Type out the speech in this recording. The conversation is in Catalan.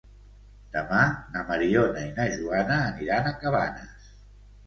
Demà na Mariona i na Joana aniran a Cabanes.